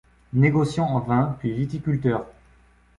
Négociants en vins, puis viticulteur.